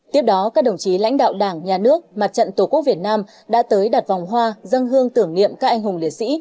tiếp đó các đồng chí lãnh đạo đảng nhà nước mặt trận tổ quốc việt nam đã tới đặt vòng hoa dân hương tưởng niệm các anh hùng liệt sĩ